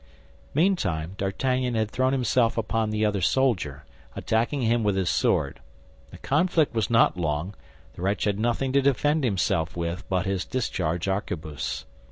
Meantime D'Artagnan had thrown himself upon the other soldier, attacking him with his sword. The conflict was not long; the wretch had nothing to defend himself with but his discharged arquebus.